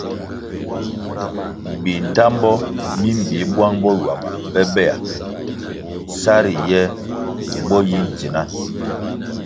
Bindtambo mi bi bwang bo ywama bobea sa ri ye bo yi ndzina.